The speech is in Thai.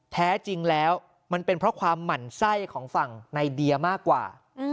แท้จริงแล้วมันเป็นเพราะความหมั่นไส้ของฝั่งในเดียมากกว่า